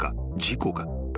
事故か？］